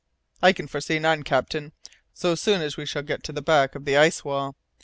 "I can foresee none, captain, so soon as we shall get to the back of the ice wall.